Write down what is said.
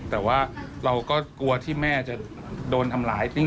แต่ว่าเราก็กลัวที่แม่จะโดนทำร้าย